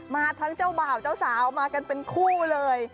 มาทั้งเจ้าบ่าวเจ้าสาวมากันเป็นคู่เลย